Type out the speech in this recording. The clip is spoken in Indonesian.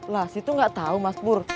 lah situ gak tahu mas pur